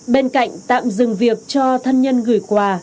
bên cạnh tạm dừng việc cho thân nhân gửi quà